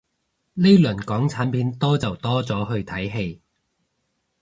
呢輪港產片多就多咗去睇戲